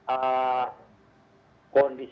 apa kondisi jalan